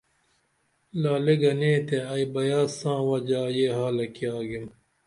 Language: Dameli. لعلے گنے تے ائی بیاس ساں وجا یے حالہ کی آگیم